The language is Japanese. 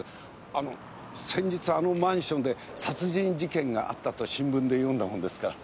あの先日あのマンションで殺人事件があったと新聞で読んだもんですから。